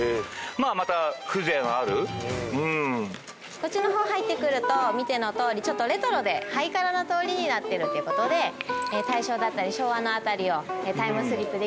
こっちの方入ってくると見てのとおりレトロでハイカラな通りになってるっていうことで大正だったり昭和の辺りをタイムスリップできちゃうという通りになっています。